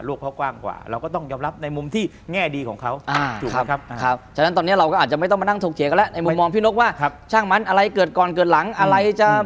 ลั่วข้าวกว้างขวาเราก็ต้องยอมรับในมุมที่แน่ดีของเขา